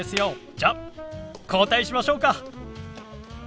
じゃあ交代しましょうか。